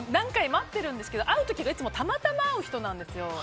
待っているんですけど会う時がいつもたまたま会う人なんですよ。